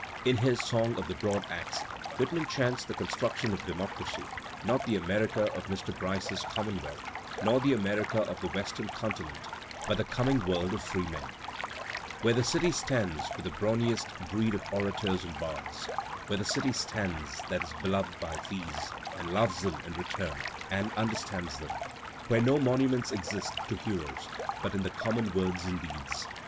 In his "Song of the Broad Axe," Whitman chants the construction of Democracy, not the America of Mr. Bryce's Digitized by Google 216 THE SPIRIT OP AMERICAN LITERATURE "Commonwealth," nor the America of the Western continent, but the coming world of free men. Where the dty stands with the brawniest breed of orators and bards» Where the city stands that is belov'd by these, and loves them in return and understands them. Where no monimients exist to heroes but in the common words and deeds.